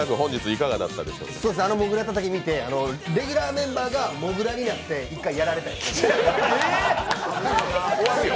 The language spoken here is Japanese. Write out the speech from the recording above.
「モグラたたき」見てレギュラーメンバーがモグラになって、一回やられたいですね。